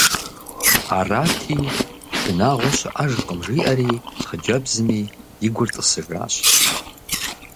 Арати, шынагъуэ щыӏэжкъым жиӏэри, хъыджэбзми и гур тӏысыжащ.